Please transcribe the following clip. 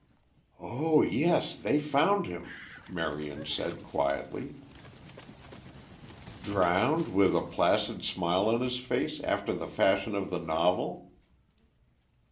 "Oh, yes, they found him," Marion said quietly. "Drowned, with a placid smile on his face, after the fashion of the novel?"